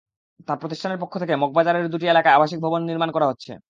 তাঁর প্রতিষ্ঠানের পক্ষ থেকে মগবাজারের দুটি এলাকায় আবাসিক ভবন নির্মাণ করা হচ্ছে।